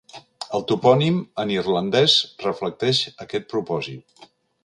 El topònim en irlandès reflecteix aquest propòsit.